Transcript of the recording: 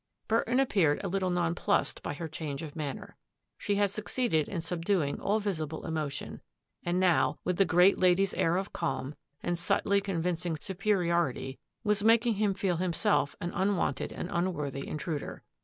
Burton appeared a little nonplussed by her change of manner. She had succeeded in subdu ing all visible emotion, and now, with the great lady's air of calm, and subtly convincing supe riority, was making him feel himself an unwar ranted and unworthy intruder.